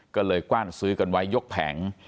ก็เลยกว้านซื้อกันไว้ยกแผง